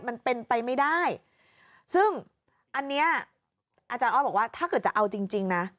มันเป็นไปไม่ได้ซึ่งอันเนี้ยอาจารย์ออสบอกว่าถ้าเกิดจะเอาจริงจริงนะ